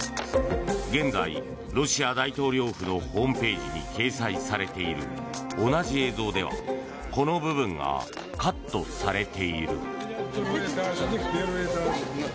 現在、ロシア大統領府のホームページに掲載されている同じ映像ではこの部分がカットされている。